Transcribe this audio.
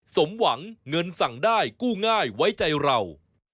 สมหวังเงินสั่งได้กู้ง่ายไว้ใจเรา